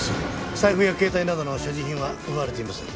財布や携帯などの所持品は奪われていません。